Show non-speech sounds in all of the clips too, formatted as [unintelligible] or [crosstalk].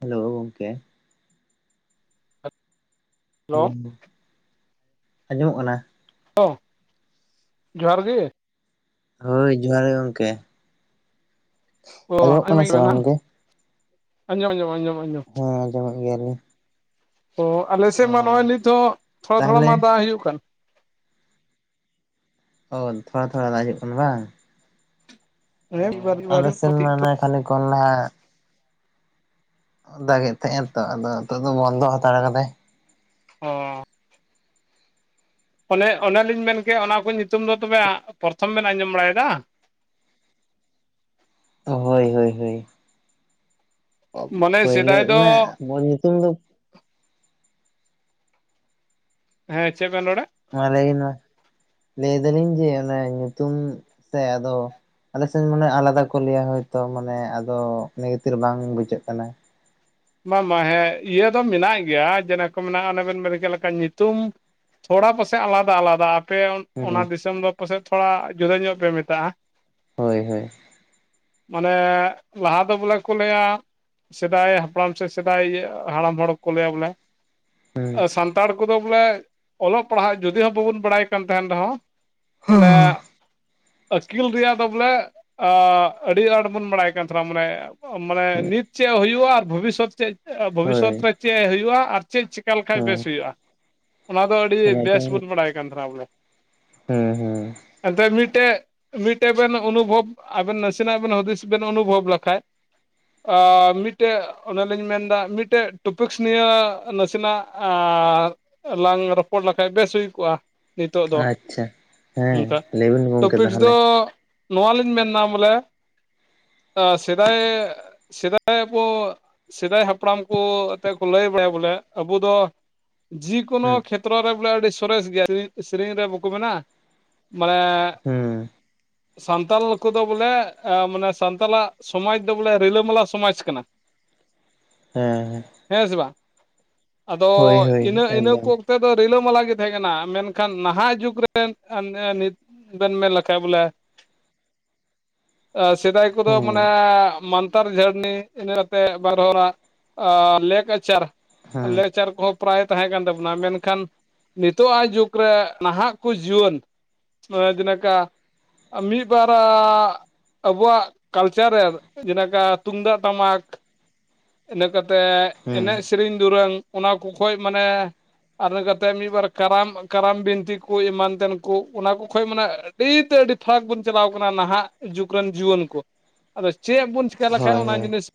Hello ᱜᱚᱝᱠᱮ᱾ Hello ᱟᱸᱡᱚᱢᱚᱜ ᱠᱟᱱᱟ? ᱡᱚᱦᱟᱨ ᱜᱮ ᱦᱳᱭ ᱡᱚᱦᱟᱨ ᱜᱮ ᱜᱚᱝᱠᱮ᱾ [inaudible] ᱟᱸᱡᱚᱢᱚᱜ ᱟᱸᱡᱚᱢ ᱠᱟᱱᱟ ᱥᱮ ᱵᱟᱝ ᱜᱚᱝᱠᱮ? ᱟᱸᱡᱚᱢ ᱟᱸᱡᱚᱢ ᱟᱸᱡᱚᱢ ᱦᱮ ᱟᱸᱡᱚᱢᱮᱜ ᱜᱮᱭᱟᱞᱤᱧ ᱚ ᱚ ᱟᱞᱮᱥᱮᱫ ᱢᱟ ᱱᱚᱜᱚᱭ ᱱᱤᱛᱚᱜ ᱛᱷᱚᱲᱟ ᱛᱷᱚᱲᱟ ᱛᱟᱦᱚᱞᱮ ᱢᱟ ᱫᱟᱜ ᱦᱩᱭᱩᱜ ᱠᱟᱱ᱾ ᱚ ᱛᱷᱚᱲᱟ ᱛᱷᱚᱲᱟ ᱫᱟᱜ ᱦᱤᱡᱩᱜ ᱠᱟᱱᱟ ᱵᱟᱝ᱾ ᱚ ᱦᱮᱸ ᱢᱤᱫ ᱵᱟᱨ ᱢᱤᱫ ᱵᱟᱨ ᱟᱞᱮ ᱥᱮᱱ ᱢᱟᱱᱮ [unintelligible] ᱠᱷᱟᱠᱤ ᱠᱚᱸᱦᱰᱟᱹ ᱠᱚᱱ ᱦᱟᱜ [unintelligible] ᱫᱟᱜᱮᱜ ᱛᱟᱦᱮᱱ ᱛᱚ ᱟᱫᱚ ᱱᱤᱛᱚᱜ ᱫᱚ ᱵᱚᱱᱫᱚ ᱦᱟᱛᱟᱲ ᱠᱟᱫᱟᱭ᱾ ᱦᱚ ᱚᱱᱮ ᱚᱱᱮᱞᱤᱧ ᱢᱮᱱᱠᱮ ᱚᱱᱟ ᱠᱚ ᱧᱩᱛᱩᱢ ᱫᱚ ᱛᱚᱵᱮ ᱯᱚᱨᱛᱷᱚᱢ ᱵᱮᱱ ᱟᱸᱡᱚᱢ ᱵᱟᱲᱟᱭᱫᱟ? ᱦᱳᱭ ᱦᱳᱭ ᱦᱳᱭ᱾ ᱢᱟᱱᱮ ᱯᱳᱭᱞᱟᱹ ᱥᱮᱫᱟᱭ ᱫᱚ ᱚᱱᱟ ᱵᱚᱞ ᱧᱩᱛᱩᱢ ᱫᱚ ᱦᱮᱸ ᱪᱮᱫ ᱵᱮᱱ ᱨᱚᱲᱟ? ᱢᱟᱹ ᱞᱟᱭᱵᱮᱱ ᱢᱟ᱾ ᱞᱟᱹᱭ ᱫᱟᱞᱤᱧ ᱡᱮ ᱚᱱᱟ ᱧᱩᱛᱩᱢ ᱥᱮ ᱟᱫᱚ ᱟᱞᱮᱥᱮᱱ ᱢᱟᱱᱮ ᱟᱞᱟᱫᱟ ᱠᱚ ᱞᱟᱹᱭᱟ ᱦᱚᱭᱛᱚ ᱢᱟᱱᱮ ᱟᱫᱚ ᱤᱱᱟᱠᱷᱟᱛᱤᱨ ᱵᱟᱝ ᱵᱩᱡᱷᱟᱹᱜ ᱠᱟᱱᱟ᱾ ᱵᱟᱝ ᱵᱟᱝ ᱦᱮᱸ ᱤᱭᱟᱹ ᱫᱚᱢ ᱵᱮᱱᱟᱜ ᱜᱮᱭᱟ ᱡᱮᱱᱚ ᱠᱚ ᱢᱮᱱᱟᱜᱼᱟ ᱚᱱᱮ ᱠᱚ ᱢᱮᱱ ᱠᱮᱫ ᱞᱮᱠᱟ ᱧᱩᱛᱩᱢ᱾ ᱛᱷᱚᱲᱟ ᱯᱟᱥᱮᱡ ᱟᱞᱟᱫᱟ ᱟᱞᱟᱫᱟ ᱟᱯᱮ ᱦᱩᱸ ᱚᱱᱟ ᱫᱤᱥᱚᱢ ᱫᱚ ᱯᱟᱥᱮᱡ ᱛᱷᱚᱲᱟ ᱡᱩᱫᱟᱹ ᱧᱚᱜ ᱯᱮ ᱢᱮᱛᱟᱜᱼᱟ᱾ ᱦᱳᱭ ᱦᱳᱭ᱾ ᱢᱟᱱᱮ ᱞᱟᱦᱟ ᱫᱚ ᱵᱚᱞᱮ ᱠᱚ ᱞᱟᱹᱭ ᱟ ᱥᱮᱫᱟᱭ ᱦᱟ ᱦᱟᱯᱲᱟᱢ ᱥᱮ ᱥᱮᱫᱟᱭ ᱦᱟᱲᱟᱢ ᱦᱚᱲ ᱠᱚ ᱞᱟᱹᱭ ᱟ ᱵᱚᱞᱮ ᱦᱩᱸ ᱥᱟᱱ ᱛᱟᱲ ᱠᱚᱫᱚ ᱵᱚᱞᱮ ᱚᱞᱚᱜ ᱯᱟᱲᱦᱟᱜ ᱡᱩᱫᱤ ᱦᱚᱸ ᱵᱟᱵᱚᱱ ᱵᱟᱲᱟᱭ ᱠᱟᱱ ᱛᱟᱸᱦᱮᱱ ᱨᱮᱦᱚᱸ ᱢᱟᱱᱮ ᱟᱹᱠᱤᱞ ᱨᱮᱭᱟᱜ ᱫᱚ ᱵᱚᱞᱮ ᱟ ᱟᱹᱰᱤ ᱟᱸᱴ ᱵᱚᱱ ᱵᱟᱲᱟᱭ ᱠᱟᱱ ᱛᱟᱸᱦᱮᱱᱟ ᱢᱟᱱᱮ ᱢᱟᱱᱮ ᱱᱤᱛ ᱪᱮᱫ ᱦᱩᱭᱩᱜᱼᱟ ᱟᱨ ᱵᱷᱚᱵᱤᱥᱚᱛ ᱪᱮᱫ ᱵᱷᱚᱵᱤᱥᱚᱛ ᱦᱳᱭ ᱨᱮ ᱪᱮᱫ ᱦᱩᱭᱩᱜᱼᱟ᱾ ᱟᱨ ᱪᱮᱫ ᱪᱤᱠᱟ ᱞᱮᱠᱷᱟᱡ ᱵᱮᱥ ᱦᱮᱸ ᱦᱩᱭᱩᱜᱼᱟ᱾ ᱚᱱᱟ ᱫᱚ ᱟᱹᱰᱤ ᱚᱱᱟ ᱵᱮᱥ ᱵᱚᱱ ᱵᱟᱲᱟᱭ ᱠᱟᱱ ᱛᱟᱸᱦᱮᱱᱟ ᱵᱚᱞᱮ᱾ ᱦᱩᱸ ᱦᱩᱸ ᱟᱫᱚ ᱢᱤᱫᱴᱮᱡ ᱢᱤᱫᱴᱮᱡ ᱵᱮᱱ ᱚᱱᱩᱵᱷᱚᱵᱽ ᱟᱵᱮᱱ ᱱᱟᱥᱮᱱᱟᱜ ᱵᱮᱱ ᱦᱩᱫᱤᱥ ᱵᱮᱱ ᱚᱱᱩᱵᱷᱚᱵᱽ ᱞᱮᱠᱷᱟᱡ ᱚ ᱢᱤᱫᱴᱮᱡ ᱚᱱᱮᱞᱤᱧ ᱢᱮᱱᱫᱟ ᱢᱤᱫᱴᱮᱱ ᱴᱚᱯᱤᱠᱥ ᱱᱤᱭᱮ ᱱᱟᱥᱤᱱᱟᱜ ᱞᱟᱝ ᱨᱚᱯᱚᱲ ᱞᱮᱠᱷᱟᱡ ᱵᱮᱥ ᱦᱩᱭ ᱠᱚᱜᱼᱟ᱾ ᱱᱤᱛᱚᱜ ᱫᱚ ᱟᱪᱪᱷᱟ ᱦᱮᱸ ᱚᱱᱠᱟ᱾ ᱞᱟᱹᱭᱵᱤᱱ ᱜᱚᱝᱠᱮ ᱴᱚᱯᱤᱠᱥ ᱫᱚ ᱛᱟᱦᱚᱞᱮ ᱱᱚᱣᱟ ᱞᱤᱧ ᱢᱮᱱ ᱱᱟ ᱵᱚᱞᱮ ᱥᱮᱫᱟᱭ ᱥᱮᱫᱟᱭ ᱵᱚ ᱥᱮᱫᱟᱭ ᱦᱟᱯᱲᱟᱢ ᱠᱚ ᱮᱛᱮ ᱠᱚ ᱞᱟᱹᱭ ᱵᱟᱲᱟᱭᱟ ᱵᱚᱞᱮ ᱟᱵᱚ ᱫᱚ ᱡᱮ ᱠᱳᱱᱳ ᱦᱩᱸ ᱛᱨᱟ ᱨᱮ ᱵᱚᱞᱮ ᱟᱹᱰᱤ ᱥᱚᱨᱮᱥ ᱜᱮᱭᱟ ᱥᱮᱨᱮᱧ ᱥᱮᱨᱮᱧ ᱨᱮ ᱵᱟᱠᱚ ᱢᱮᱱᱟ ᱢᱟᱱᱮ ᱦᱩᱸ ᱥᱟᱱᱛᱟᱞ ᱠᱚᱫᱚ ᱵᱚᱞᱮ ᱢᱟᱱᱮ ᱥᱟᱱᱛᱟᱞᱟᱜ ᱥᱚᱢᱟᱡᱽ ᱫᱚ ᱵᱚᱞᱮ ᱨᱤᱞᱟᱹ ᱢᱟᱞᱟ ᱥᱚᱢᱟᱡᱽ ᱠᱟᱱᱟ᱾ ᱦᱮᱸ ᱦᱮᱸ ᱦᱮᱸ ᱥᱮ ᱵᱟᱝ ᱟᱫᱚ ᱦᱳᱭ ᱤᱱᱟᱹ ᱤᱱᱟᱹ ᱮᱠᱫᱚᱢ ᱠᱚ ᱱᱚᱛᱮ ᱫᱚ ᱨᱤᱞᱟᱹᱢᱟᱞᱟ ᱜᱮ ᱛᱟᱦᱮᱸ ᱠᱟᱱᱟ ᱢᱮᱱᱠᱷᱟᱱ ᱱᱟᱦᱟᱜ ᱡᱩᱜᱽ ᱨᱮᱱ ᱮᱱ ᱵᱮᱱ ᱢᱮᱱ ᱞᱮᱠᱷᱟᱭ ᱵᱚᱞᱮ ᱥᱮᱫᱟᱭ ᱠᱚᱫᱚ ᱦᱩᱸ ᱢᱟᱱᱮ ᱢᱟᱱᱛᱟᱨ ᱡᱷᱟᱹᱨᱱᱤ ᱤᱱᱟᱹ ᱛᱮ ᱵᱟᱨ ᱦᱚᱲᱟᱜ ᱞᱮᱠᱪᱟᱨ ᱦᱮᱸ ᱞᱮᱪᱟᱨ ᱠᱚᱦᱚᱸ ᱯᱨᱟᱭ ᱛᱟᱦᱮᱸ ᱠᱟᱱ ᱛᱟᱵᱚᱱᱟ᱾ᱢᱮᱱᱠᱷᱟᱱ ᱱᱤᱛᱚᱜ ᱟᱜ ᱡᱩᱜᱽ ᱨᱮ ᱱᱟᱦᱟᱜ ᱠᱚ ᱡᱩᱭᱟᱹᱱ ᱡᱮ ᱞᱮᱠᱟ ᱢᱤᱫ ᱵᱟᱨᱭᱟᱜ ᱟᱵᱚᱣᱟᱜ ᱠᱟᱞᱪᱟᱨ ᱨᱮ ᱡᱮᱞᱮᱠᱟ ᱛᱩᱢᱫᱟᱜ ᱴᱟᱢᱟᱠ ᱤᱱᱟᱹ ᱠᱟᱛᱮ ᱦᱩᱸ ᱮᱱᱮᱡ ᱥᱮᱨᱮᱧ ᱫᱩᱨᱟᱹᱝ ᱚᱱᱟ ᱠᱚ ᱠᱷᱚᱡᱽ ᱢᱟᱱᱮ ᱟᱨ ᱤᱱᱟ ᱠᱟᱛᱮ ᱢᱤᱫᱵᱟᱨ ᱠᱟᱨᱟᱢ ᱠᱟᱨᱟᱢ ᱵᱤᱱᱛᱤ ᱠᱚ ᱮᱢᱟᱱ ᱛᱮᱱ ᱠᱚ ᱚᱱᱟ ᱠᱚ ᱠᱷᱚᱱ ᱢᱟᱱᱮ ᱛᱤ ᱛᱮ ᱟᱹᱰᱤ ᱯᱷᱟᱨᱟᱠ ᱵᱚᱱ ᱪᱟᱞᱟᱣ ᱠᱟᱱᱟ ᱱᱟᱦᱟᱜ ᱡᱩᱜᱽ ᱨᱮᱱ ᱡᱩᱣᱟᱹᱱ ᱠᱚ᱾ ᱟᱫᱚ ᱪᱮᱫ ᱵᱚᱱ ᱪᱤᱠᱟ ᱞᱮᱠᱷᱟᱡ ᱦᱳᱭ ᱚᱱᱟ ᱦᱳᱭ ᱡᱤᱱᱤᱥ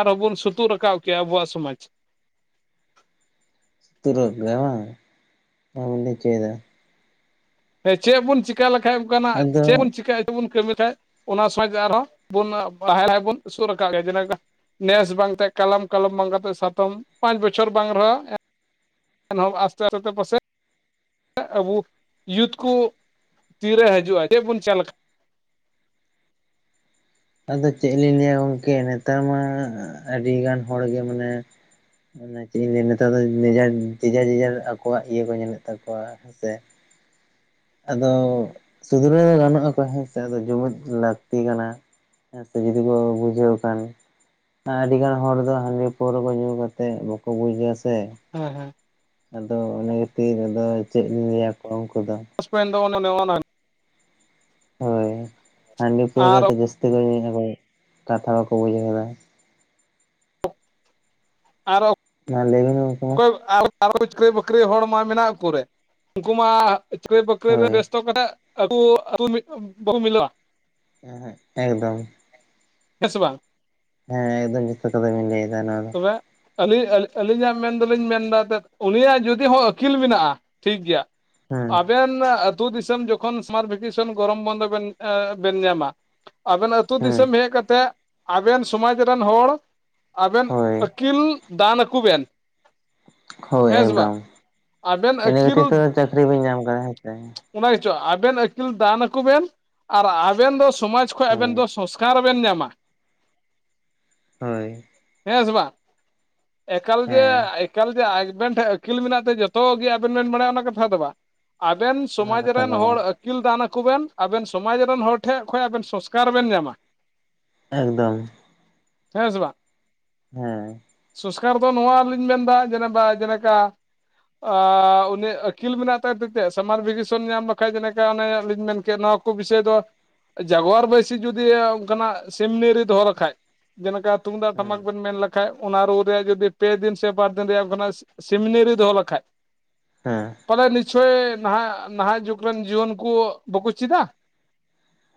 ᱟᱨᱦᱚᱸ ᱵᱚᱱ ᱥᱩᱛᱩᱜ ᱨᱟᱠᱟᱵ ᱠᱮᱭᱟ ᱟᱵᱚᱣᱟᱜ ᱥᱚᱢᱟᱡᱽ᱾ ᱛᱩᱨᱟᱜ ᱜᱮᱭᱟ ᱵᱟᱝ ᱪᱮᱫ ᱮᱢ ᱞᱟᱹᱭ ᱦᱚᱪᱚᱭ ᱫᱟ ᱪᱮᱫ ᱵᱚᱱ ᱪᱮᱠᱟ ᱞᱮᱠᱷᱟᱡ ᱚᱱᱠᱟᱱᱟᱜ ᱟᱫᱚ ᱪᱮᱫ ᱵᱚᱱ ᱪᱤᱠᱟᱭ ᱵᱚᱱ ᱠᱟᱹᱢᱤ ᱠᱷᱟᱡ ᱚᱱᱟ ᱥᱚᱢᱟᱡᱽ ᱟᱨᱦᱚᱸ ᱵᱚᱱ ᱞᱟᱦᱟ ᱞᱟᱦᱟᱭᱟ ᱵᱚᱱ ᱥᱩᱨ ᱟᱠᱟᱜ ᱜᱮ ᱱᱮᱥ ᱵᱟᱝ ᱛᱮ ᱠᱟᱞᱚᱢ ᱠᱟᱞᱚᱢ ᱵᱟᱝ ᱠᱟᱛᱮ ᱥᱟᱛᱚᱢ ᱯᱟᱸᱪ ᱵᱚᱪᱷᱚᱨ ᱵᱟᱝ ᱨᱮᱦᱚᱸ ᱮᱱᱦᱚᱸ ᱟᱥᱛᱮ ᱟᱥᱛᱮ ᱯᱟᱥᱮᱡ ᱟᱵᱚ ᱤᱭᱩᱛ ᱠᱚ ᱛᱤᱨᱮ ᱦᱤᱡᱩᱜᱼᱟ᱾ ᱪᱮᱫ ᱵᱚᱱ ᱪᱟᱞ ᱠᱟᱜ? ᱟᱫᱚ ᱪᱮᱫ ᱞᱤᱧ ᱞᱟᱹᱭᱼᱟ ᱜᱚᱢᱠᱮ ᱱᱮᱛᱟᱨ ᱢᱟ ᱟᱹᱰᱤ ᱜᱟᱱ ᱦᱚᱲ ᱜᱮ ᱢᱟᱱᱮ ᱚᱱᱟ ᱪᱮᱫ ᱤᱧ ᱞᱟᱹᱭᱼᱟ ᱱᱮᱛᱟᱨ ᱫᱚ ᱡᱮᱡᱟᱨ ᱡᱮᱡᱟᱨ ᱡᱮᱡᱟᱨ ᱟᱠᱚᱣᱟᱜ ᱤᱭᱟᱹ ᱠᱚ ᱧᱮᱞᱮᱫ ᱛᱟᱠᱚᱣᱟ ᱦᱮᱸ ᱥᱮ ᱟᱫᱚ ᱥᱩᱫᱷᱨᱟᱹᱣ ᱜᱟᱱᱚᱜ ᱟᱠᱚ ᱦᱮᱸ ᱥᱮ ᱟᱫᱚ ᱡᱩᱢᱤᱫ ᱞᱟᱹᱠᱛᱤ ᱠᱟᱱᱟ᱾ ᱦᱮᱸ ᱥᱮ ᱡᱩᱫᱤ ᱠᱚ ᱵᱩᱡᱷᱟᱹᱣ ᱠᱷᱟᱱ ᱟᱹᱰᱤ ᱜᱟᱱ ᱦᱚᱲ ᱫᱚ ᱦᱟᱺᱰᱤ ᱯᱟᱹᱣᱨᱟᱹ ᱠᱚ ᱧᱩ ᱠᱟᱛᱮᱫ ᱵᱟᱠᱚ ᱵᱩᱡᱟ ᱥᱮ ᱦᱮᱸ ᱦᱮᱸ ᱟᱫᱚ ᱚᱱᱟ ᱛᱤ ᱨᱮᱫᱚ ᱟᱫᱚ ᱪᱮᱫ ᱤᱧ ᱞᱟᱹᱭᱼᱟ ᱠᱚᱢ ᱠᱚᱫᱚ ᱯᱟᱥᱴᱚ ᱯᱚᱭᱮᱱᱴ ᱫᱚ ᱱᱚᱜᱼᱚᱭ ᱱᱚᱣᱟ ᱜᱮ ᱦᱳᱭ ᱦᱟᱺᱰᱤ ᱟᱨ ᱯᱟᱹᱣᱨᱟᱹᱫᱚ ᱡᱟᱹᱥᱛᱤ ᱧᱩᱭ ᱫᱟᱠᱚ ᱠᱟᱛᱷᱟ ᱵᱟᱠᱚ ᱵᱩᱡᱷ ᱠᱟᱫᱟ᱾ ᱟᱨᱚ [unintelligible] ᱚᱠᱚᱭ ᱟᱨ ᱟᱨᱚ ᱪᱟᱹᱠᱨᱤ ᱵᱟᱹᱠᱨᱤ ᱦᱚᱲ ᱢᱟ ᱢᱮᱱᱟᱜ ᱠᱚ [unintelligible] ᱜᱮ ᱩᱱᱠᱩ ᱢᱟ, ᱪᱟᱠᱨᱤ ᱵᱟᱠᱨᱤ ᱨᱮ ᱦᱳᱭ ᱵᱮᱥᱛᱚ ᱠᱷᱟᱛᱤᱨ ᱟᱛᱩ ᱵᱟᱠᱚ ᱦᱮᱡ ᱫᱟᱲᱮᱭᱟᱜᱼᱟ। ᱮᱠᱫᱚᱢ, ᱦᱮᱸ ᱥᱮ ᱵᱟᱝ, ᱦᱮᱸ ᱮᱠᱫᱚᱢ ᱡᱚᱛᱷᱟᱛ ᱠᱟᱛᱷᱟ ᱵᱮᱱ ᱞᱟᱹᱭ ᱮᱫᱟ ᱱᱚᱣᱟ ᱫᱚ। ᱟᱹᱞᱤ ᱟᱹᱞᱤᱧᱟᱜ ᱢᱮᱱ ᱫᱚ ᱞᱤᱧ ᱢᱮᱱᱫᱟ ᱡᱮ ᱩᱱᱤᱭᱟᱜ ᱡᱩᱫᱤ ᱦᱚᱸ ᱟᱹᱠᱤᱞ ᱢᱮᱱᱟᱜᱼᱟ ᱴᱷᱤᱠ ᱜᱮᱭᱟ। ᱦᱮᱸ ᱟᱵᱮᱱ ᱟᱹᱛᱩ ᱫᱤᱥᱚᱢ ᱡᱚᱠᱷᱚᱱ ᱥᱟᱢᱟᱨ ᱵᱷᱤᱠᱮᱥᱚᱱ ᱜᱚᱨᱚᱢ ᱵᱚᱱᱫᱚ ᱵᱮᱱ ᱧᱟᱢᱟ ᱟᱵᱮᱱᱟᱜ, ᱟᱛᱳ ᱦᱮᱸ ᱫᱤᱥᱚᱢ ᱦᱮᱡ ᱠᱟᱛᱮ, ᱟᱵᱮᱱ ᱥᱚᱢᱟᱡᱽ ᱨᱮᱱ ᱦᱚᱲ ᱟᱵᱮᱱ ᱦᱳᱭ ᱟᱹᱠᱤᱞ ᱫᱟᱱ ᱟᱠᱩᱵᱮᱱ, ᱦᱳᱭ ᱮᱠᱫᱚᱢ ᱟᱵᱮᱱ ᱤᱱᱟᱹ ᱟᱹᱠᱤᱞ ᱠᱷᱟᱹᱛᱤᱨ ᱛᱚ ᱪᱟᱹᱠᱨᱤ ᱵᱟᱹᱧ ᱧᱟᱢ ᱠᱟᱫᱟ ᱦᱮᱸ ᱥᱮ ᱚᱱᱟ ᱜᱮᱪᱚ ᱟᱵᱮᱱ ᱟᱹᱠᱤᱞ ᱫᱟᱱ ᱟᱠᱚ ᱵᱮᱱ ᱟᱨ ᱟᱵᱮᱱ ᱫᱚ ᱥᱚᱢᱟᱡᱽ ᱠᱷᱚᱡ ᱟᱵᱮᱱ ᱦᱳᱭ ᱫᱚ ᱥᱚᱝᱥᱠᱟᱨ ᱵᱮᱱ ᱧᱟᱢᱟ ᱦᱳᱭ ᱦᱮᱸᱥᱮ ᱵᱟᱝ, ᱮᱠᱟᱞ ᱡᱮ ᱦᱮᱸ ᱮᱠᱟᱞ ᱡᱮ ᱟᱵᱮᱱ ᱴᱷᱮᱱ ᱟᱹᱠᱤᱞ ᱢᱮᱱᱟᱜ ᱛᱮ ᱡᱚᱛᱚ ᱜᱮ ᱟᱵᱮᱱ ᱵᱮᱱ ᱵᱟᱲᱟᱭᱟ ᱚᱱᱟ ᱠᱟᱛᱷᱟ ᱫᱚ ᱵᱟᱝ। ᱟᱵᱮᱱ ᱚᱱᱟ ᱥᱚᱢᱟᱡᱽ ᱠᱟᱛᱷᱟ ᱨᱮᱱ ᱫᱚ ᱦᱚᱲ, ᱵᱟᱝ ᱟᱹᱠᱤᱞ ᱫᱟᱱ ᱟᱠᱚ ᱵᱮᱱ ᱟᱵᱮᱱ ᱥᱚᱢᱟᱡᱽ ᱨᱮᱱ ᱦᱚᱲ ᱴᱷᱮᱡ ᱠᱷᱚᱱ ᱟᱵᱮᱱ ᱥᱚᱝᱥᱠᱟᱨ ᱵᱮᱱ ᱧᱟᱢᱟ। ᱮᱠᱫᱚᱢ, ᱦᱮᱸ ᱥᱮ ᱵᱟᱝ, ᱦᱩᱸ ᱥᱚᱥᱠᱟᱨ ᱫᱚ ᱱᱚᱣᱟ ᱞᱤᱧ ᱢᱮᱱᱫᱟ ᱡᱮᱞᱮᱠᱟ ᱡᱮᱞᱮᱠᱟ, ᱟᱸ ᱩᱱᱤ ᱟᱹᱠᱤᱞ ᱢᱮᱱᱟᱜ [unintelligible] ᱛᱟᱭ। ᱥᱟᱢᱟᱨ ᱵᱷᱮᱠᱮᱥᱚᱱ ᱧᱟᱢ ᱵᱟᱠᱷᱟᱡ ᱡᱮᱞᱮᱠᱟ ᱚᱱᱮ ᱞᱤᱧ ᱢᱮᱱ ᱠᱮᱫ ᱱᱚᱣᱟ ᱠᱚ ᱵᱤᱥᱚᱭ ᱫᱚ, ᱡᱟᱜᱽᱣᱟᱨ ᱵᱟᱹᱭᱥᱤ ᱡᱩᱫᱤ ᱚᱱᱠᱟᱱᱟᱜ ᱥᱤᱢᱱᱤᱨᱤ ᱫᱚᱦᱚ ᱞᱮᱠᱷᱟᱡ, ᱡᱮᱞᱮᱠᱟ ᱛᱩᱢᱫᱟᱜ ᱦᱮᱸ ᱴᱟᱢᱟᱠ ᱵᱮᱱ ᱢᱮᱱ ᱞᱮ ᱠᱷᱟᱡ ᱚᱱᱟ ᱨᱩ ᱨᱮ ᱡᱩᱫᱤ ᱯᱮ ᱫᱤᱱ ᱥᱮ ᱵᱟᱨ ᱫᱤᱱ ᱨᱮᱭᱟᱜ ᱢᱟᱱᱮ ᱥᱤᱢᱱᱤ ᱨᱮ ᱫᱚᱦᱚ ᱞᱮᱠᱷᱟᱡ, ᱦᱮᱸ ᱯᱟᱞᱮ ᱱᱤᱥᱪᱳᱭ ᱱᱟᱦᱟᱜ ᱱᱟᱦᱟᱜ ᱡᱩᱜᱽ ᱨᱮᱱ ᱡᱤᱭᱚᱱ ᱠᱚ ᱵᱟᱠᱚ ᱪᱮᱫᱟ᱾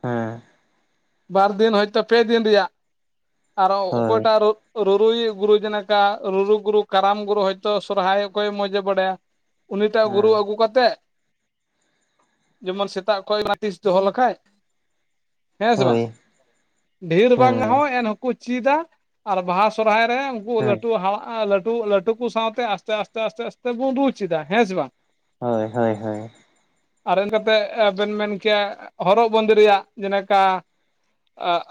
ᱦᱮᱸ ᱵᱟᱨ ᱫᱤᱱ ᱦᱚᱭᱛᱳ ᱯᱮ ᱫᱤᱱ ᱨᱮᱭᱟᱜ ᱟᱨᱚ ᱦᱳᱭ ᱚᱠᱚᱭᱴᱟᱜ ᱟᱨᱚ, ᱨᱩᱨᱩᱭᱤᱡ ᱜᱩᱨᱩ ᱡᱮᱱᱠᱟ ᱨᱩᱨᱩ ᱜᱩᱨᱩ ᱠᱟᱨᱟᱢ ᱜᱩᱨᱩ ᱦᱚᱭᱛᱳ ᱥᱚᱨᱦᱟᱭ ᱚᱠᱚᱭ ᱢᱚᱸᱡᱮ ᱵᱟᱲᱟᱭᱟ᱾ ᱩᱱᱤᱴᱟᱜ ᱜᱩᱨᱩ ᱦᱮᱸ ᱟᱹᱜᱩ ᱡᱮᱢᱚᱱ ᱥᱮᱛᱟᱜ ᱠᱷᱚᱱ ᱚᱱᱟ ᱛᱤᱥ ᱫᱚᱦᱚ ᱞᱮᱠᱷᱟᱡ, ᱦᱮᱸ ᱥᱮ ᱦᱳᱭ ᱵᱟᱝ᱾ ᱰᱷᱮᱨ ᱵᱟᱝ ᱦᱮᱸ ᱨᱮᱦᱚᱸ ᱮᱱᱦᱚᱸᱠᱚ ᱪᱮᱫᱟ ᱟᱨ ᱵᱟᱦᱟ ᱥᱚᱨᱦᱟᱭ ᱨᱮ, ᱦᱮᱸ ᱞᱟᱹᱴᱩ ᱦᱟᱲᱟᱜ ᱞᱟᱴᱩ ᱞᱟᱹᱴᱩ ᱠᱚ ᱥᱟᱶᱛᱮ ᱟᱥᱛᱮ ᱟᱥᱛᱮ ᱟᱥᱛᱮ ᱟᱥᱛᱮ ᱵᱩᱱ ᱨᱩ ᱪᱮᱫᱟ ᱦᱮᱸ ᱥᱮ ᱵᱟᱝ ᱦᱳᱭ ᱦᱳᱭ ᱦᱳᱭ, ᱟᱨ ᱤᱱᱟᱹᱠᱟᱛᱮᱫ ᱵᱮᱱ ᱢᱮᱱ ᱠᱮᱭᱟ ᱦᱚᱨᱚᱜ ᱵᱟᱸᱫᱮ ᱨᱮᱭᱟᱜ ᱡᱮᱞᱮᱠᱟ,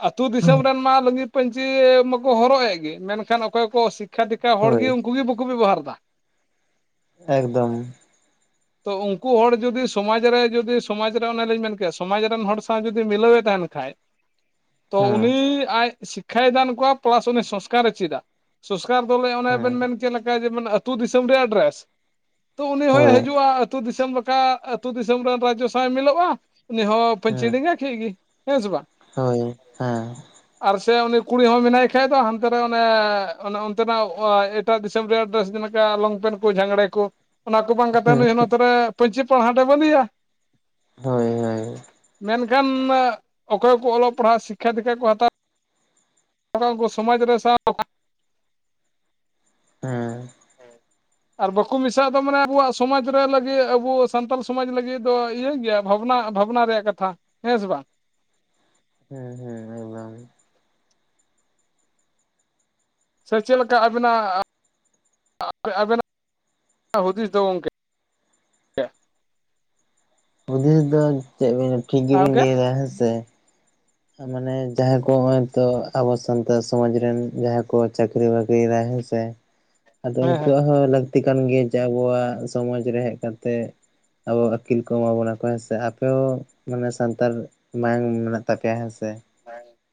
ᱟᱹᱛᱩ ᱫᱤᱥᱚᱢ ᱨᱮᱱ ᱢᱟ ᱞᱩᱸᱜᱤ ᱯᱟᱹᱧᱪᱤ ᱢᱟᱠᱚ ᱦᱚᱨᱚᱜ ᱮᱜ ᱜᱮ ᱢᱮᱱᱠᱷᱟᱱ ᱚᱠᱚᱭ ᱠᱚ ᱥᱤᱠᱷᱟ ᱥᱤᱠᱷᱟ ᱫᱤᱠᱠᱷᱟ ᱦᱚᱲ ᱦᱳᱭ ᱜᱮ ᱩᱱᱠᱩ ᱜᱮ ᱵᱟᱠᱚ ᱵᱮᱵᱚᱦᱟᱨ ᱫᱟ। ᱮᱠᱫᱚᱢ, ᱛᱚ ᱩᱱᱠᱩ ᱦᱚᱲ ᱡᱩᱫᱤ ᱥᱚᱢᱟᱡᱽ ᱨᱮ ᱡᱩᱫᱤ ᱥᱚᱢᱟᱡᱽ ᱨᱮ ᱚᱱᱮᱞᱤᱧ ᱢᱮᱱ ᱠᱮᱭᱟ ᱥᱚᱢᱟᱡᱽ ᱨᱮᱱ ᱦᱚᱲ ᱥᱟᱶ ᱡᱩᱫᱤ ᱢᱤᱞᱟᱹᱣᱮ ᱛᱟᱦᱮᱱ ᱠᱷᱟᱡ, [inaudible] ᱛᱚ ᱦᱮᱸ ᱩᱱᱤ ᱟᱡ ᱥᱤᱠᱠᱷᱟᱭ ᱫᱟᱱ ᱠᱚᱣᱟ ᱯᱮᱞᱟᱥ ᱩᱱᱤ ᱥᱚᱝᱥᱠᱟᱨᱮ ᱪᱮᱫᱟ। ᱥᱚᱝᱥᱠᱟᱨ ᱫᱚᱞᱮ ᱚᱱᱮ ᱵᱮᱱ ᱦᱮᱸ ᱢᱮᱱ ᱪᱮᱫ ᱞᱮᱠᱟ ᱡᱮᱢᱚᱱ ᱟᱹᱛᱩ ᱫᱤᱥᱚᱢ ᱨᱮᱭᱟᱜ ᱰᱨᱮᱥ ᱛᱚ ᱩᱱᱤ ᱦᱚᱭ ᱦᱚ [unintelligible] ᱦᱳᱭ ᱦᱩᱭᱩᱜᱼᱟ ᱟᱹᱛᱩ ᱫᱤᱥᱚᱢ ᱞᱮᱠᱟ ᱟᱹᱛᱩ ᱫᱤᱥᱚᱢ ᱨᱮᱱ ᱨᱟᱡᱽᱡᱚ ᱥᱟᱶ ᱢᱤᱞᱚᱜᱼᱟ ᱩᱱᱤ ᱦᱚᱸ ᱯᱟᱹᱧᱪᱤ ᱦᱮᱸ ᱰᱮᱸᱜᱟ ᱠᱮᱜ ᱜᱮ᱾ ᱦᱮᱸ ᱥᱮ ᱵᱟᱝ ᱦᱳᱭ ᱦᱮᱸ᱾ ᱟᱨ ᱥᱮ ᱩᱱᱤ ᱠᱩᱲᱤ ᱦᱚᱸ ᱢᱮᱱᱟᱭ ᱠᱷᱟᱡ ᱫᱚ ᱦᱟᱱᱛᱮ ᱨᱮ ᱚᱱᱮ ᱚᱱᱮ ᱚᱱᱛᱮᱱᱟᱜ ᱮᱯ ᱮᱴᱟᱜ ᱫᱤᱥᱚᱢ ᱨᱮᱭᱟᱜ ᱰᱮᱥ ᱡᱮᱞᱮᱠᱟ ᱞᱚᱝᱯᱮᱱ ᱠᱚ ᱡᱷᱟᱜᱽᱲᱮ ᱠᱚ ᱚᱱᱟ ᱠᱚ ᱵᱟᱝ ᱠᱟᱛᱮ ᱱᱚᱛᱮ ᱯᱟᱹᱧᱪᱤ ᱯᱟᱲᱦᱟᱴᱮ ᱵᱟᱸᱫᱮᱭᱟ᱾ ᱦᱳᱭ ᱦᱳᱭ ᱢᱮᱱᱠᱷᱟᱱ ᱚᱠᱚᱭ ᱠᱚ ᱚᱞᱚᱜ ᱯᱟᱲᱦᱟᱜ ᱥᱤᱠᱠᱷᱟ ᱫᱤᱠᱠᱷᱟ ᱠᱚ ᱦᱟᱛᱟᱣ ᱚᱠᱟ ᱠᱚ ᱥᱚᱢᱟᱡᱽ ᱨᱮ ᱥᱟᱶ [unintelligible] ᱦᱩᱸ [unintelligible] ᱟᱨ ᱵᱟᱠᱩ ᱢᱮᱥᱟᱜ ᱫᱚ ᱢᱟᱱᱮ ᱟᱵᱩᱣᱟᱜ ᱥᱚᱢᱟᱡᱽ ᱨᱮ ᱞᱟᱹᱜᱤᱫ ᱟᱵᱚ ᱥᱟᱱᱛᱟᱞ ᱥᱚᱢᱟᱡᱽ ᱞᱟᱹᱜᱤᱫ ᱫᱚ ᱤᱭᱟᱹ ᱜᱮᱭᱟ᱾ ᱵᱷᱟᱵᱽᱱᱟ ᱵᱷᱟᱵᱽᱱᱟ ᱨᱮᱭᱟᱜ ᱠᱟᱛᱷᱟ ᱦᱮᱸ ᱥᱮ ᱵᱟᱝ? ᱦᱩᱸ ᱦᱩᱸ ᱥᱮ ᱪᱮᱫ ᱞᱮᱠᱟ ᱟᱵᱤᱱᱟᱜ, [inaudible] ᱦᱩᱫᱤᱥ ᱫᱚ ᱜᱚᱝᱠᱮ? ᱦᱩᱫᱤᱥ ᱫᱚ ᱪᱮᱫ ᱴᱷᱤᱠ ᱜᱮᱵᱤᱱ ᱜᱚᱝᱠᱮ ᱞᱮᱭ ᱫᱟ ᱦᱮᱸ ᱥᱮ᱾ ᱢᱟᱱᱮ ᱡᱟᱦᱟᱸᱭ ᱠᱚ ᱦᱚᱜᱼᱚᱭ ᱛᱚ ᱟᱵᱚ ᱥᱟᱱᱛᱟᱲ ᱥᱚᱢᱟᱡᱽ ᱨᱮᱱ ᱡᱟᱦᱟᱸᱭ ᱠᱚ ᱪᱟᱹᱠᱨᱤ ᱵᱟᱹᱠᱨᱤᱭᱟ ᱦᱮᱸ ᱥᱮ᱾ ᱟᱫᱚ ᱦᱮᱸ ᱦᱮᱸ ᱩᱱᱠᱩᱣᱟᱜ ᱦᱚᱸ ᱞᱟᱹᱠᱛᱤ ᱠᱟᱱ ᱜᱮᱭᱟ ᱡᱮ ᱟᱵᱚᱣᱟᱜ ᱥᱚᱢᱟᱡ ᱨᱮ ᱦᱮᱡ ᱠᱟᱛᱮ ᱟᱵᱚ ᱟᱹᱠᱤᱞ ᱠᱚ ᱵᱟᱵᱚᱱ ᱠᱚ ᱦᱮᱸ ᱥᱮ, ᱟᱯᱮ ᱦᱚᱸ ᱢᱟᱱᱮ ᱥᱟᱱᱛᱟᱲ ᱢᱟᱭᱟᱝ ᱢᱮᱱᱟᱜ ᱛᱟᱯᱮᱭᱟ ᱦᱮᱸ ᱥᱮ᱾ [unintelligible]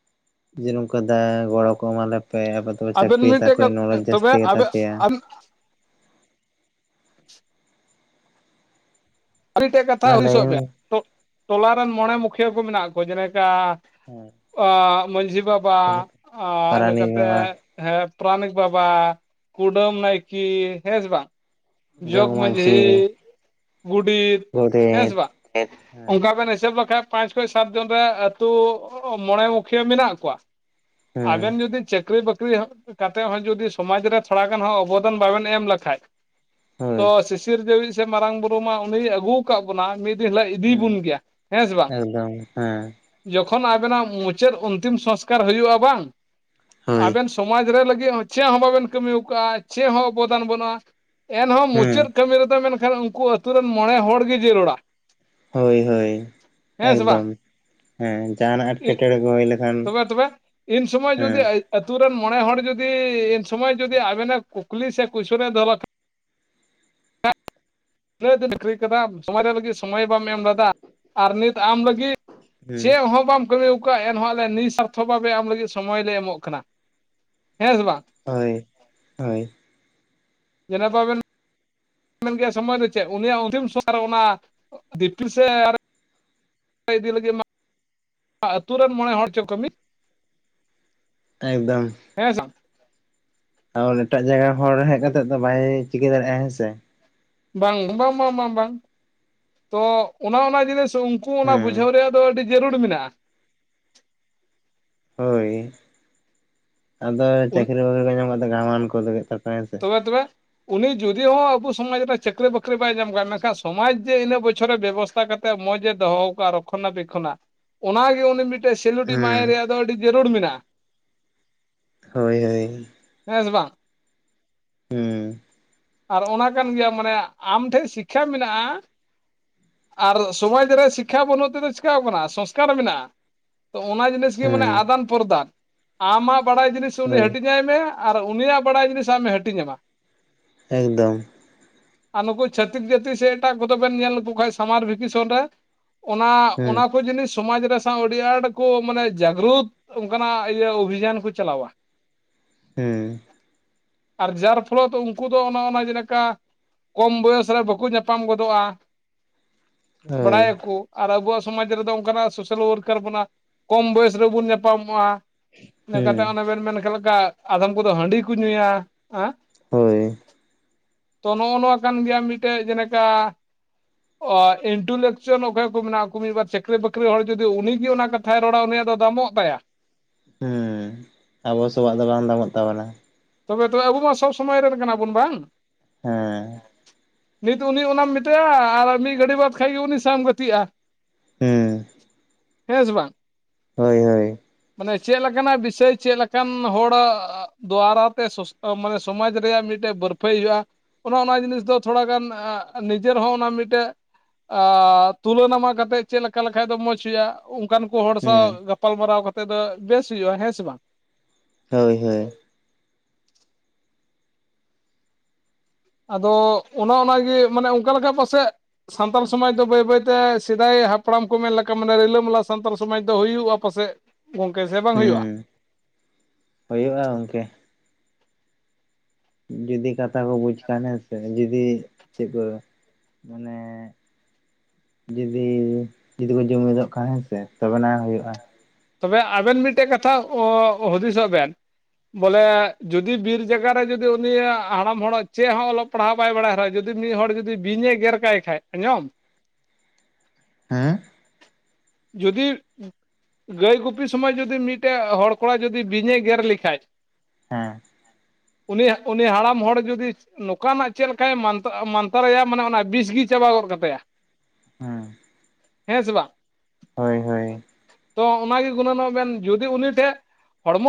ᱡᱮ ᱱᱚᱝᱠᱟ ᱫᱟᱭᱟ ᱜᱚᱲᱚ ᱠᱚ ᱮᱢᱟᱞᱮᱯᱮ ᱟᱯᱮ ᱫᱚ ᱟᱵᱮᱱ ᱪᱟᱹᱠᱨᱤ ᱢᱤᱫᱴᱮᱡ ᱛᱟᱠᱚ ᱱᱚᱞᱮᱡᱽ ᱛᱚᱵᱮ ᱡᱟᱹᱥᱛᱤ ᱜᱮᱛᱟ ᱯᱮᱭᱟ᱾ ᱟᱵᱮᱱ ᱟᱨᱤ ᱴᱮᱡ ᱠᱟᱛᱷᱟ ᱢᱟ ᱦᱩᱫᱤᱥ ᱞᱟᱹᱭ ᱢᱮ ᱵᱮᱱ ᱴᱚ-ᱴᱚᱞᱟᱨ ᱨᱮᱱ ᱢᱚᱬᱮ ᱢᱩᱠᱷᱤᱭᱟᱹ ᱠᱚ ᱢᱮᱱᱟᱜ ᱠᱚᱣᱟ ᱡᱮᱞᱮᱠᱟ ᱦᱮᱸ ᱟ ᱢᱟᱺᱡᱷᱤ ᱵᱟᱵᱟ ᱤᱱᱟᱹᱠᱟ ᱯᱟᱨᱟᱱᱤᱠ ᱠᱟᱛᱮ ᱵᱟᱵᱟ ᱦᱮᱸ ᱯᱨᱟᱱᱤᱠ ᱵᱟᱵᱟ ᱠᱩᱰᱩᱢ ᱱᱟᱭᱠᱤ ᱦᱮ ᱥᱮ ᱵᱟᱝ? ᱡᱳᱠ ᱢᱟᱺᱡᱷᱤ ᱜᱩᱰᱤᱛ ᱦᱮᱸ ᱜᱚᱰᱮᱛ ᱥᱮ ᱵᱟᱝ ᱦᱮᱸ ᱚᱝᱵᱠᱟ ᱵᱮᱱ ᱮᱤᱥᱟᱹᱵ ᱞᱮᱠᱷᱟᱡ ᱯᱟᱸᱪ ᱠᱷᱚᱱ ᱥᱟᱛ ᱡᱚᱱ ᱨᱮ ᱟᱹᱛᱩ ᱢᱚᱬᱮ ᱢᱩᱠᱷᱤᱭᱟᱹ ᱢᱮᱱᱟᱜ ᱠᱚᱣᱟ᱾ ᱦᱮᱸ ᱟᱵᱤᱱ ᱡᱩᱫᱤ ᱪᱟᱹᱠᱨᱤ ᱵᱟᱠᱨᱤ ᱦᱚ ᱠᱟᱛᱮᱜ ᱦᱚᱸ ᱡᱩᱫᱤ ᱥᱚᱢᱟᱡᱽ ᱨᱮ ᱛᱷᱚᱲᱟ ᱜᱟᱱ ᱦᱚᱸ ᱚᱵᱚᱫᱟᱱ ᱵᱟᱵᱮᱱ ᱮᱢ ᱞᱮᱠᱷᱟᱡ ᱦᱳᱭ ᱛᱚ ᱥᱤᱥᱤᱨ ᱡᱤᱣᱤᱜ ᱪᱮᱜ ᱢᱟᱨᱟᱝ ᱵᱩᱨᱩ ᱢᱟ ᱩᱱᱤ ᱟᱹᱜᱩ ᱠᱟᱜ ᱵᱚᱱᱟ ᱢᱤᱫ ᱫᱤᱱ ᱦᱤᱞᱳᱜ ᱤᱫᱤ ᱦᱮᱸ ᱵᱚᱱ ᱜᱮᱭᱟ ᱦᱮᱸ ᱥᱮ ᱵᱟᱝ? ᱮᱠᱫᱚᱢ ᱦᱮᱸ ᱡᱚᱠᱷᱚᱱ ᱟᱵᱮᱱᱟᱜ ᱢᱩᱪᱟᱹᱫ ᱚᱱᱛᱤᱢ ᱥᱚᱝᱥᱠᱟᱨ ᱦᱩᱭᱩᱜᱼᱟ ᱵᱟᱝ ᱦᱳᱭ ᱟᱵᱮᱱ ᱥᱚᱢᱟᱡᱽ ᱨᱮ ᱞᱟᱹᱜᱤᱫ ᱦᱚᱸ ᱪᱮᱫ ᱦᱚᱸ ᱵᱟᱵᱮᱱ ᱠᱟᱹᱢᱤ ᱟᱠᱟᱜᱼᱟ ᱪᱮᱫ ᱦᱚᱸ ᱚᱵᱚᱫᱟᱱ ᱵᱟᱹᱱᱩᱜᱼᱟ ᱮᱱᱦᱚᱸ ᱦᱮᱸ ᱢᱩᱪᱟᱹᱫ ᱠᱟᱹᱢᱤ ᱨᱮᱫᱚ ᱢᱮᱱᱠᱷᱟᱱ ᱩᱱᱠᱩ ᱟᱛᱩ ᱨᱮᱱ ᱢᱚᱬᱮ ᱦᱚᱲ ᱜᱮ ᱡᱟᱹᱨᱩᱲᱟ᱾ ᱦᱳᱭ ᱦᱳᱭ ᱦᱮᱸ ᱥᱮ ᱵᱟᱝ ᱮᱠᱫᱚᱢ ᱦᱮᱸ ᱡᱟᱦᱟᱱᱟᱜ ᱮᱴᱠᱮᱴᱚᱬᱮ ᱠᱚ ᱦᱳᱭ ᱞᱮᱠᱷ ᱛᱚᱵᱮ ᱛᱚᱵᱮ ᱤᱱ ᱥᱚᱢᱚᱭ ᱡᱩᱫᱤ ᱟᱹ ᱟᱛᱩ ᱨᱮᱱ ᱢᱚᱬᱮ ᱦᱚᱲ ᱡᱩᱫᱤ ᱤᱱ ᱥᱚᱢᱚᱭ ᱡᱩᱫᱤ ᱟᱵᱮᱱᱮ ᱠᱩᱠᱞᱤ ᱥᱮ ᱠᱩᱭᱥᱩᱱᱮ ᱫᱚᱦᱚ ᱞᱮ [unintelligible] ᱤᱱᱟᱹᱜ ᱫᱤᱱ ᱟᱹᱠᱷᱨᱤ ᱠᱟᱫᱟᱢ ᱥᱚᱢᱚᱭ ᱨᱮ ᱞᱟᱹᱜᱤᱫ ᱥᱚᱢᱚᱭ ᱵᱟᱢ ᱮᱢ ᱞᱮᱫᱟ ᱟᱨ ᱱᱤᱛ ᱟᱢ ᱞᱟᱹᱜᱤᱫ ᱦᱮᱸ ᱪᱮᱜ ᱦᱚᱸ ᱵᱟᱢ ᱠᱟᱹᱢᱤ ᱠᱟᱜᱼᱟ ᱮᱱᱦᱚᱸ ᱟ ᱱᱤ ᱥᱟᱨᱛᱷᱚ ᱵᱷᱟᱵᱮ ᱟᱢ ᱞᱟᱹᱜᱤᱫ ᱥᱚᱢᱚᱭ ᱞᱮ ᱮᱢᱚᱜ ᱠᱟᱱᱟ ᱦᱮᱸ ᱥᱮ ᱵᱟᱝ᱾ ᱦᱳᱭ ᱦᱳᱭ ᱡᱮᱱᱟ ᱯᱟᱵᱮᱱ ᱥᱚᱢᱚᱭ ᱫᱚ ᱪᱮᱫ ᱩᱱᱤᱭᱟᱜ ᱚᱱᱟ ᱫᱤᱯᱤᱞ ᱥᱮ ᱤᱫᱤ ᱞᱟᱹᱜᱤᱫ ᱢᱟ ᱟᱛᱩ ᱨᱮᱱ ᱢᱚᱬᱮ ᱦᱚᱲ ᱪᱚ ᱠᱟᱹᱢᱤ ᱮᱠᱫᱚᱢ ᱦᱮᱸ [unintelligible] ᱟᱨ ᱮᱴᱟᱜ ᱡᱟᱭᱜᱟ ᱦᱚᱲ ᱦᱮᱡ ᱠᱟᱛᱮᱜ ᱫᱚ ᱵᱟᱭ ᱪᱤᱠᱟᱹ ᱫᱟᱲᱮᱭᱟᱜᱼᱟ ᱦᱮᱸᱥᱮ᱾ ᱵᱟᱝ ᱵᱟᱝ ᱵᱟᱝ ᱵᱟᱝ ᱵᱟᱝ ᱛᱚ ᱚᱱᱟ ᱚᱱᱟ ᱡᱤᱱᱤᱥ ᱩᱱᱠᱩ ᱚᱱᱟ ᱵᱩᱡᱷᱟᱹᱣ ᱦᱮᱸ ᱨᱮᱭᱟᱜ ᱫᱚ ᱟᱹᱰᱤ ᱡᱟᱹᱨᱩᱲ ᱢᱮᱱᱟᱜᱼᱟ᱾ ᱦᱳᱭ ᱟᱫᱚ ᱪᱟᱹᱠᱨᱤ ᱵᱟᱹᱠᱨᱤ ᱠᱚ ᱧᱟᱢ ᱠᱟᱛᱮᱜ ᱜᱷᱟᱣᱟᱱ ᱠᱚ ᱩᱫᱩᱜ ᱛᱟᱠᱚᱣᱟ᱾ ᱥᱮ [unintelligible] ᱩᱱᱤ ᱡᱩᱫᱤ ᱦᱚᱸ ᱟᱵᱩ ᱥᱚᱢᱟᱡᱽ ᱨᱮ ᱪᱟᱹᱠᱨᱤ-ᱵᱟᱹᱠᱨᱤ ᱵᱟᱭ ᱧᱟᱢ ᱠᱟᱜ-ᱟ ᱢᱮᱱᱠᱷᱟᱱ ᱥᱚᱢᱟᱡᱽ ᱡᱮ ᱤᱱᱟᱹᱜ ᱵᱚᱪᱷᱚᱨ ᱨᱮ ᱵᱮᱵᱚᱥᱛᱷᱟ ᱠᱟᱛ ᱢᱚᱡᱮ ᱫᱚᱦᱚ ᱟᱠᱟᱜ-ᱟ ᱨᱚᱠᱷᱚᱱᱟ ᱵᱤᱠᱷᱚᱱᱟ ᱚᱱᱟᱜᱮ ᱩᱱᱤ ᱢᱤᱫ ᱥᱮᱞᱩᱰᱤ ᱢᱟᱭ ᱦᱩᱸ ᱨᱮᱭᱟᱜ ᱫᱚ ᱟᱹᱰᱤ ᱡᱟᱹᱨᱩᱲ ᱢᱮᱱᱟᱜ-ᱟ᱾ ᱦᱚᱭ ᱦᱚᱭ᱾ ᱦᱮᱸ ᱥᱮ ᱵᱟᱝ? ᱦᱮᱸ ᱟᱨ ᱚᱱᱟ ᱠᱟᱱ ᱜᱮᱭᱟ ᱢᱟᱱᱮ ᱟᱢ ᱴᱷᱮᱱ ᱥᱤᱠᱷᱭᱟ ᱢᱮᱱᱟᱜ-ᱟ, ᱟᱨ ᱥᱚᱢᱟᱡᱽ ᱨᱮ ᱥᱤᱠᱷᱭᱟ ᱵᱟᱹᱱᱩᱜ ᱛᱮᱫᱚ ᱪᱮᱠᱟ ᱟᱵᱚᱱᱟ ᱥᱚᱸᱥᱠᱟᱨ ᱢᱮᱱᱟᱜ-ᱟ ᱛᱚ ᱚᱱᱟ ᱡᱤᱱᱤᱥ ᱜᱮ ᱢᱟᱱᱮ ᱦᱩᱸ ᱟᱫᱟᱱ-ᱯᱨᱚᱫᱟᱱ ᱟᱢᱟᱜ ᱵᱟᱰᱟᱭ ᱡᱤᱱᱤᱥ ᱩᱱᱤ ᱦᱳᱭ ᱦᱟᱹᱴᱤᱧᱟᱭ ᱢᱮ ᱟᱨ ᱩᱱᱤᱭᱟᱜ ᱵᱟᱰᱟᱭ ᱡᱤᱱᱤᱥ ᱟᱢᱮ ᱦᱟᱹᱴᱤᱧ ᱟᱢᱟ᱾ ᱮᱠ ᱫᱚᱢ᱾ ᱟᱨ ᱱᱩᱠᱩ ᱪᱷᱟᱹᱛᱤᱠ ᱡᱟᱹᱛᱤ ᱥᱮ ᱮᱴᱟᱜ ᱠᱚᱫᱚ ᱵᱮᱱ ᱧᱮᱞ ᱞᱮᱠᱚ ᱠᱷᱟᱡ ᱥᱟᱢᱟᱨ ᱵᱷᱮᱠᱤᱥᱚᱱ ᱨᱮ ᱚᱱᱟ ᱦᱩᱸ ᱚᱱᱟᱠᱚ ᱡᱤᱱᱤᱥ ᱥᱚᱢᱟᱡᱽ ᱨᱮ ᱥᱟᱶ ᱟᱹᱰᱤ ᱟᱸᱴ ᱠᱚ ᱢᱟᱱᱮ ᱡᱟᱜᱽᱨᱩᱛ, ᱚᱱᱠᱟᱱᱟᱜ ᱤᱭᱟᱹ ᱚᱵᱷᱤᱡᱟᱱ ᱠᱚ ᱪᱟᱞᱟᱣᱟ᱾ ᱦᱮᱸ ᱟᱨ ᱡᱟᱨ ᱯᱷᱚᱞᱚ ᱫᱚ ᱩᱱᱠᱩ ᱫᱚ ᱚᱱᱮ ᱚᱱᱟ ᱡᱮᱞᱮᱠᱟ ᱠᱚᱢ ᱵᱚᱭᱚᱥ ᱨᱮ ᱵᱟᱠᱚ ᱧᱟᱯᱟᱢ ᱜᱚᱫᱚᱜ-ᱟ᱾ ᱦᱳᱭ ᱵᱟᱰᱟᱭᱟᱠᱚ, ᱟᱨ ᱟᱵᱚᱣᱟᱜ ᱥᱚᱢᱟᱡᱽ ᱨᱮᱫᱚ ᱚᱱᱠᱟᱱᱟᱜ ᱥᱚᱥᱟᱞ ᱣᱟᱨᱠᱟᱨ ᱵᱚᱱᱟ ᱠᱚᱢ ᱵᱚᱭᱮᱥ ᱨᱮᱵᱚᱱ ᱧᱟᱯᱟᱢᱚᱜ-ᱟ᱾ ᱤᱱᱟᱹ ᱠᱟᱛᱮ ᱦᱩᱸ ᱚᱱᱮ ᱵᱮᱱ ᱢᱮᱱ ᱠᱮᱫ ᱞᱮᱠᱟ ᱟᱫᱚᱢ ᱠᱚᱫᱚ ᱦᱟᱺᱰᱤ ᱠᱚ ᱧᱩᱭᱟ᱾ ᱦᱟᱸ? ᱦᱳᱭ ᱛᱚ ᱱᱚᱜ-ᱱᱚᱣᱟ ᱠᱟᱱ ᱜᱮᱭᱟ ᱢᱤᱫᱴᱟᱹᱜ ᱡᱮᱱᱮᱠᱟ, ᱚᱣᱟ ᱤᱱᱴᱩᱞᱮᱠᱪᱚᱱ ᱚᱠᱚᱭᱟᱜ ᱠᱚ ᱢᱮᱱᱟᱜ-ᱟ ᱟᱠᱚ ᱢᱤᱫ ᱵᱟᱨ ᱪᱟᱹᱠᱨᱤ-ᱵᱟᱹᱠᱨᱤ ᱦᱚᱲ ᱡᱩᱫᱤ ᱩᱱᱤᱜᱮ ᱚᱱᱟ ᱠᱟᱛᱷᱟᱭ ᱨᱚᱲᱟ ᱩᱱᱤᱭᱟᱜ ᱫᱚ ᱫᱟᱢᱚᱜ ᱛᱟᱭᱟ᱾ ᱦᱤᱸ ᱟᱵᱚ ᱥᱟᱵᱟᱜ ᱫᱚ ᱵᱟᱝ ᱫᱟᱢᱚᱜ ᱛᱟᱵᱚᱱᱟ᱾ ᱛᱚᱵᱮ ᱛᱚᱵᱮ ᱟᱵᱚ ᱢᱟ ᱥᱚᱵᱽ ᱥᱚᱢᱚᱭ ᱨᱮᱱ ᱠᱟᱱᱟ ᱵᱚᱱ ᱵᱟᱝ? ᱦᱮᱸ ᱱᱤᱛ ᱫᱚ ᱩᱱᱤ ᱚᱱᱟᱢ ᱢᱮᱛᱟᱭᱟ ᱟᱨ ᱢᱤᱫ ᱜᱷᱟᱹᱲᱤᱡ ᱵᱟᱫᱷ ᱠᱷᱟᱡ ᱜᱮ ᱩᱱᱤ ᱥᱟᱶᱮᱢ ᱜᱟᱹᱛᱤᱜ-ᱟ᱾ ᱦᱩᱸ ᱦᱮᱸ ᱥᱮ ᱵᱟᱝ? ᱦᱚᱭ ᱦᱚᱭ ᱢᱟᱱᱮ ᱪᱮᱫ ᱞᱮᱠᱟᱱᱟᱜ ᱵᱤᱥᱟᱹᱭ ᱪᱮᱫ ᱞᱮᱠᱟᱱ ᱦᱚᱲᱟᱜ ᱫᱚᱣᱟᱨᱟ, ᱮᱫ ᱚᱥ ᱟᱢ ᱢᱟᱱᱮ ᱥᱚᱢᱟᱡᱽ ᱨᱮᱭᱟᱜ ᱢᱤᱫᱴᱟᱹᱜ ᱵᱟᱹᱨᱯᱷᱟᱹᱭ ᱦᱩᱭᱩᱜ-ᱟ᱾ ᱚᱱ-ᱚᱱᱟ ᱡᱤᱱᱤᱥ ᱫᱚ ᱛᱷᱚᱲᱟᱜᱟᱱ ᱟᱸᱜ ᱱᱤᱡᱮᱨ ᱦᱚᱸ ᱚᱱᱟ ᱢᱤᱫᱴᱮᱹᱜ, ᱟᱻ ᱛᱩᱞᱟᱹᱱᱟᱢᱟ ᱠᱟᱛᱮᱜ ᱪᱮᱫ ᱞᱮᱠᱟ ᱞᱮᱠᱷᱟᱡ ᱫᱚ ᱢᱚᱪᱷ ᱦᱩᱭᱩᱜ-ᱟ᱾ ᱩᱱᱠᱟᱱ ᱠᱚ ᱦᱚᱲ ᱥᱟᱶ ᱦᱩᱸ ᱜᱟᱯᱟᱞ ᱢᱟᱨᱟᱣ ᱠᱟᱛᱮ ᱫᱚ ᱵᱮᱥ ᱦᱩᱭᱩᱜ-ᱟ ᱦᱮᱸ ᱥᱮ ᱵᱟᱝ? ᱦᱚᱭ ᱦᱚᱭ ᱟᱫᱚ ᱚᱱᱟ ᱚᱱᱟᱜᱮ ᱢᱟᱱᱮ ᱚᱱᱠᱟ ᱞᱮᱠᱟ ᱯᱟᱥᱮᱜ, ᱥᱟᱱᱛᱟᱲ ᱥᱚᱢᱟᱡᱽ ᱫᱚ ᱵᱟᱹᱭ ᱵᱟᱹᱭ ᱛᱮ ᱥᱮᱫᱟᱭ ᱦᱟᱯᱲᱟᱢ ᱠᱚ ᱢᱮᱱ ᱞᱮᱠᱟ ᱢᱟᱱᱮ ᱨᱤᱞᱟᱹ-ᱢᱟᱞᱟ ᱥᱟᱱᱛᱟᱲ ᱥᱚᱢᱟᱡᱽ ᱫᱚ ᱦᱩᱭᱩᱜ-ᱟ ᱯᱟᱥᱮᱜ᱾ ᱜᱚᱝᱠᱮ ᱥᱮ ᱦᱩᱸ ᱦᱩᱭᱩᱜ-ᱟ ᱜᱚᱝᱠᱮ᱾ ᱡᱩᱫᱤ ᱠᱟᱛᱷᱟ ᱠᱚ ᱵᱩᱡᱽ ᱠᱷᱟᱱ ᱦᱮᱸ ᱥᱮ, ᱡᱩᱫᱤ ᱛᱤᱵᱟᱹ ᱢᱟᱱᱮ ᱡᱩᱫᱤ ᱡᱩᱫᱤ ᱵᱚ ᱡᱩᱢᱤᱫᱚᱜ ᱠᱷᱟᱱ ᱦᱮᱸ ᱥᱮ ᱛᱚᱵᱮᱱᱟ ᱦᱩᱭᱩᱜ-ᱟ᱾ ᱛᱚᱵᱮ ᱟᱵᱮᱱ ᱢᱤᱫᱴᱟᱜ ᱠᱟᱛᱷᱟ ᱚᱣᱚ-ᱚᱜ ᱦᱩᱫᱤᱥᱚᱜ ᱵᱮᱱ, ᱵᱚᱞᱮ ᱡᱩᱫᱤ ᱵᱤᱨ ᱡᱟᱜᱟ ᱨᱮ ᱡᱩᱫᱤ ᱩᱱᱤᱭᱟᱜ ᱦᱟᱲᱟᱢ ᱦᱚᱲᱟᱜ ᱪᱮᱫ ᱦᱚᱸ ᱚᱞᱚ ᱯᱟᱲᱦᱟᱣ ᱵᱟᱭ ᱵᱟᱰᱟᱭ ᱨᱮᱦᱚᱸ ᱡᱩᱫᱤ ᱢᱤᱫ ᱦᱚᱲ ᱡᱩᱫᱤ ᱵᱤᱧᱮ ᱜᱮᱨ ᱠᱟᱭ ᱠᱷᱟᱡ ᱟᱧᱚᱢ? ᱦᱮᱸ ᱡᱩᱫᱤ ᱜᱟᱹᱭ ᱜᱩᱯᱤ ᱥᱚᱢᱚᱭ ᱡᱩᱫᱤ ᱢᱤᱫᱴᱟᱹᱜ ᱦᱚᱲ ᱠᱚᱲᱟ ᱡᱩᱫᱤ ᱵᱤᱧᱮ ᱜᱮᱨ ᱞᱮᱠᱷᱟᱡ, ᱦᱮᱸ ᱩᱱᱤᱭᱟᱜ ᱩᱱᱤ ᱦᱟᱲᱟᱢ ᱦᱚᱲ ᱡᱩᱫᱤ ᱱᱚᱠᱟᱱᱟᱜ ᱪᱮᱫ ᱞᱮᱠᱟᱭ ᱢᱟᱱᱛᱟ ᱢᱟᱱᱛᱟᱨᱟᱭ ᱢᱟᱱᱮ ᱚᱱᱟ ᱵᱤᱥᱜᱤ ᱪᱟᱵᱟ ᱜᱚᱫ ᱠᱟᱜ ᱛᱟᱭᱟ᱾ ᱦᱮᱸ ᱦᱮᱸ ᱥᱮ ᱵᱟᱝ? ᱦᱳᱭ ᱦᱳᱭ ᱛᱚ ᱚᱱᱟᱜᱤ ᱜᱩᱱᱟᱹᱱᱚᱜ ᱵᱮ ᱡᱩᱫᱤ ᱩᱱᱤ ᱴᱷᱮᱜ